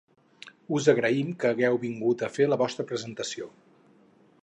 Us agraïm que hagueu vingut a fer la vostra presentació!